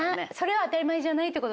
当たり前じゃないってことですね。